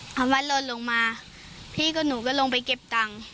ค่ะเอาไว้ลดลงมาพี่กับหนูก็ลงไปเก็บตังค์